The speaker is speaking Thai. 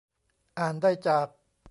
อ่านได้จาก